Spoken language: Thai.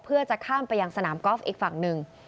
เพื่อจะข้ามไปยังสนามกอล์ฟอีกฝั่งหนึ่ง